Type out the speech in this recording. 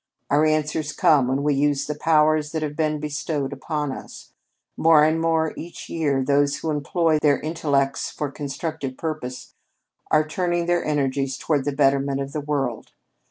Our answers come when we use the powers that have been bestowed upon us. More and more each year, those who employ their intellects for constructive purposes are turning their energies toward the betterment of the world.